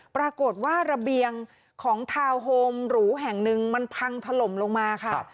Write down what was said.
ระเบียงของทาวน์โฮมหรูแห่งหนึ่งมันพังถล่มลงมาค่ะ